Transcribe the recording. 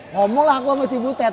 ngomong aku sama cibutet